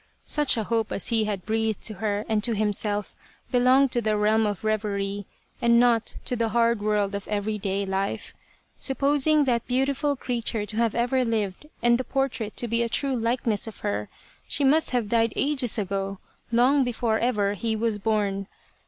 Such a hope as he had breathed to her and to himself belonged to the realm of reverie, and not to the hard world of everyday life. Sup posing that beautiful creature to have ever lived and the portrait to be a true likeness of her, she must have died ages ago, long before ever he was born.